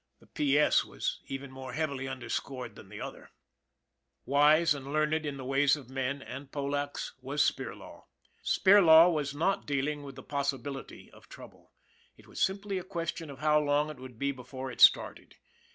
(The P. S. was even more heavily underscored than the other.) Wise and learned in the ways of men and Polacks was Spirlaw. Spirlaw was not dealing with the possibility of trouble it was simply a question of how long it would be before it started.